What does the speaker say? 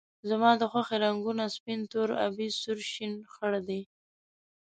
زما د خوښې رنګونه سپین، تور، آبي ، سور، شین ، خړ دي